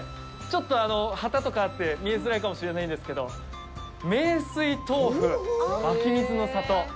ちょっと、あの旗とかあって見えづらいかもしれないんですけど名水とうふ、湧水の里。